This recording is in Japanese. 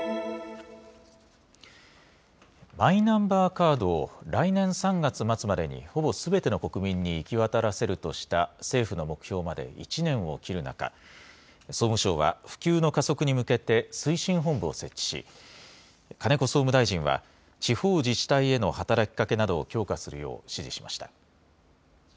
マイナンバーカードを来年３月末までにほぼすべての国民に行き渡らせるとした政府の目標まで１年を切る中、総務省は普及の加速に向けて推進本部を設置し、金子総務大臣は地方自治体への働きかけなどを強化するよう指示しました。